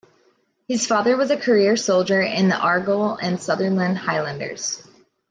His father was a career soldier in the Argyll and Sutherland Highlanders.